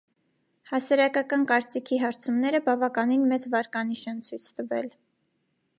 Հասարակական կարծիքի հարցումները բավականին մեծ վարկանիշ են ցույց տվել։